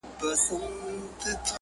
په باطن کي وي تور مار په زړه ناولی -